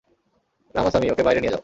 রামাসামি, ওকে বাইরে নিয়ে যাও।